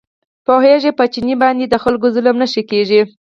پوهېږي چې په چیني باندې د خلکو ظلم نه ښه کېږي.